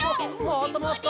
もっともっと！